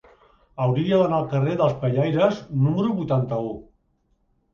Hauria d'anar al carrer dels Pellaires número vuitanta-u.